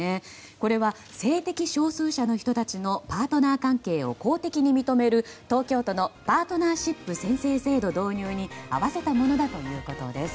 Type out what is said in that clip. これは性的少数者の人たちのパートナー関係を公的に認める、東京都のパートナーシップ宣誓制度導入に合わせたものだといいます。